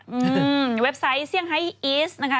อืมเว็บไซต์เซี่ยงไฮอีสนะคะ